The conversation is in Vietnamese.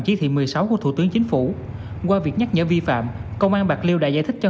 chỉ thị một mươi sáu của thủ tướng chính phủ qua việc nhắc nhở vi phạm công an bạc liêu đã giải thích cho